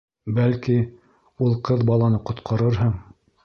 Бәлки, ул ҡыҙ баланы ҡотҡарырһың...